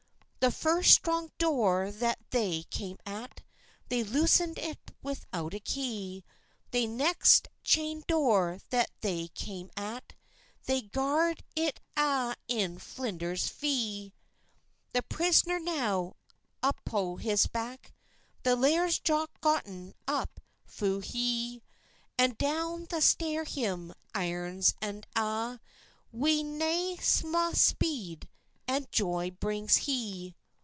The first strong dore that they came at, They loosed it without a key; The next chaind dore that they cam at, They gard it a' in flinders flee. The prisner now, upo his back, The Laird's Jock's gotten up fu hie; And down the stair him, irons and a', Wi nae sma speed and joy brings he.